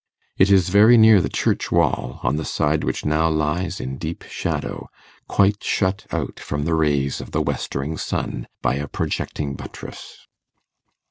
It is very near the church wall, on the side which now lies in deep shadow, quite shut out from the rays of the westering sun by a projecting buttress.